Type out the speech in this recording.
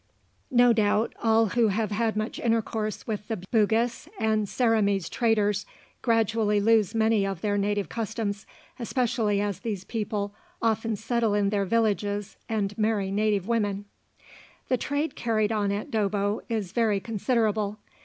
No doubt all who have much intercourse with the Bugis and Ceramese traders gradually lose many of their native customs, especially as these people often settle in their villages and marry native women. The trade carried on at Dobbo is very considerable.